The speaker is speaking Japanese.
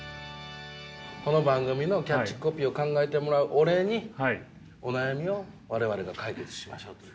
この番組のキャッチコピーを考えてもらうお礼にお悩みを我々が解決しましょうという。